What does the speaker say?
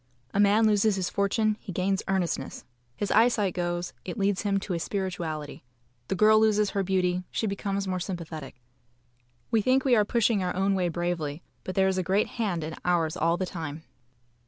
A man loses his fortune; he gains earnestness. His eyesight goes; it leads him to a spirituality. The girl loses her beauty; she becomes more sympathetic. We think we are pushing our own way bravely, but there is a great Hand in ours all the time.